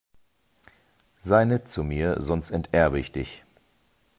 Sei nett zu mir, sonst enterbe ich dich!